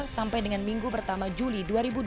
sampai dengan minggu pertama juli dua ribu dua puluh